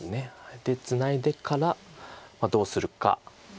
でツナいでからどうするか。